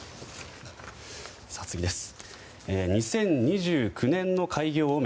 次です。